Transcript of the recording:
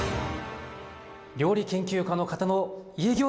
料理研究家の方の「家ギョーザ」。